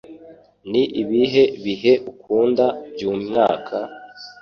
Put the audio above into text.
Ni ibihe bihe ukunda byumwaka?